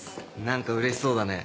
何かうれしそうだね。